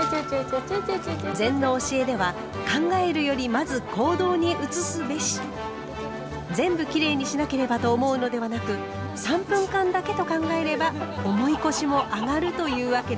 禅の教えでは「全部きれいにしなければ！」と思うのではなく“３分間だけ”と考えれば重い腰もあがるというわけです。